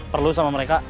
perlu sama mereka